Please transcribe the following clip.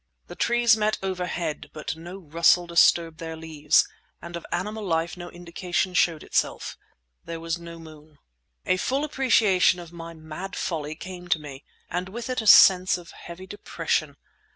The trees met overhead, but no rustle disturbed their leaves and of animal life no indication showed itself. There was no moon. A full appreciation of my mad folly came to me, and with it a sense of heavy depression.